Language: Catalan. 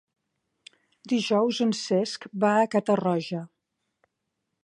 Dijous en Cesc va a Catarroja.